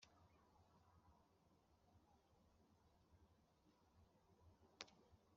kotsa igitutu mu Kanama gashinzwe Umutekano kugira ngo